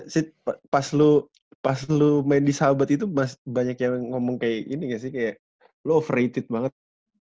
sita pas lu main di sahabat itu banyak yang ngomong kayak gini ya sih kayak lu overrated banget